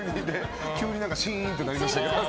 急にシーンってなりましたけど。